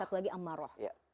satu lagi ammaroh